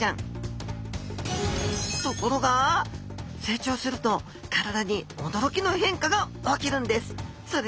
ところが成長すると体におどろきの変化が起きるんです。